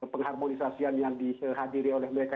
pengharmonisasian yang dihadiri oleh mereka